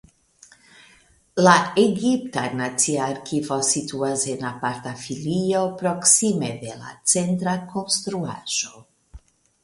La Egipta Nacia Arkivo situas en aparta filio proksime de la centra konstruaĵo.